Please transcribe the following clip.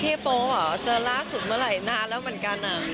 พี่โป๊บเหรอเจอล่าสุดเมื่อไหร่นานแล้วเหมือนกันอ่ะ